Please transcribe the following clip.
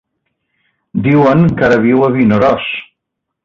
Diuen que ara viu a Vinaròs.